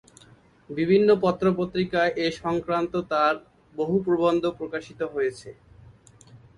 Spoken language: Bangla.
বিভিন্ন পত্র-পত্রিকায় এ সংক্রান্ত তাঁর বহু প্রবন্ধ প্রকাশিত হয়েছে।